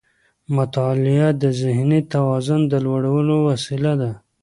مطالعه د ذهني توان د لوړولو وسيله ده.